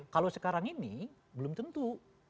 kalau sekarang ini belum tentu